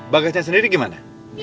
bagasnya sendiri gimana